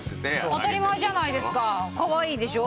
当たり前じゃないですかかわいいでしょ？